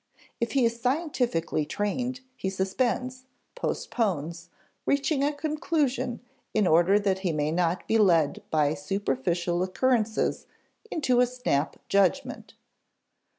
If he is scientifically trained, he suspends postpones reaching a conclusion in order that he may not be led by superficial occurrences into a snap judgment.